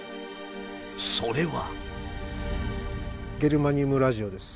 それは。